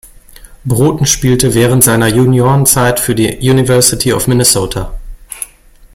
Broten spielte während seiner Juniorenzeit für die University of Minnesota.